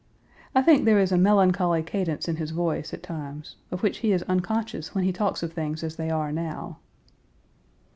I think there is a melancholy cadence in his voice at times, of which he is unconscious when he talks of things as they are now.